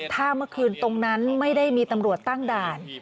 ถ้าเมื่อคืนตรงนั้นไม่ได้มีตำรวจตั้งด่าน